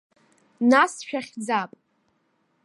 Нас шәахьӡап.